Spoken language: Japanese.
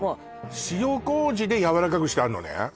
塩麹でやわらかくしてあんのね